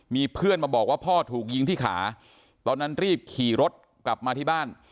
มีเพื่อนมาบอกว่าพ่อถูกยิงที่ขาตอนนั้นรีบขี่รถกลับมาที่บ้าน